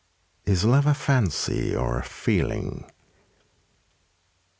Is love a fancy, or a feeling